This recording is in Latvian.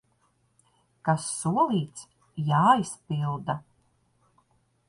Kas solīts, jāizpilda!